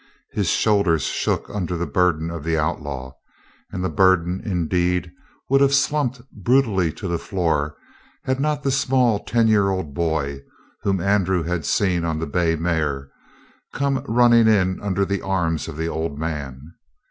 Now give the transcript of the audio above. His shoulders shook under the burden of the outlaw, and the burden, indeed, would have slumped brutally to the floor, had not the small ten year old boy, whom Andrew had seen on the bay mare, come running in under the arms of the old man.